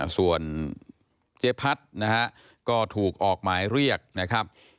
ส่วนเจ๊พัดนะฮะก็ถูกออกหมายเรียกนะครับ